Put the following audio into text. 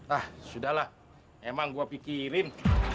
ah sudah lah emang gue pikirin